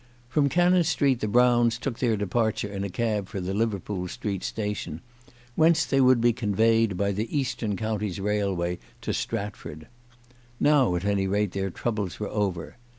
From Cannon Street the Browns took their departure in a cab for the Liverpool Street Station, whence they would be conveyed by the Eastern Counties Railway to Stratford. Now at any rate their troubles were over.